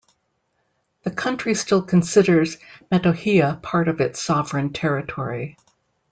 The country still considers Metohija part of its sovereign territory.